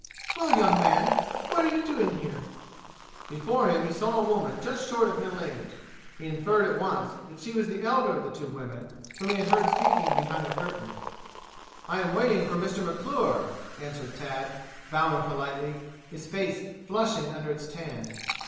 "Well, young man, what are you doing here?" Before him he saw a woman just short of middle age. He inferred at once that she was the elder of the two women whom he had heard speaking behind the curtain. "I am waiting for Mr. McClure," answered Tad, bowing politely, his face flushing under its tan.